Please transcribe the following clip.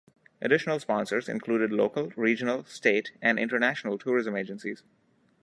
Additional sponsors included local, regional, State and international tourism agencies.